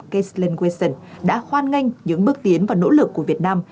katelyn wilson đã khoan nganh những bước tiến và nỗ lực của việt nam